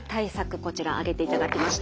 こちら挙げていただきました。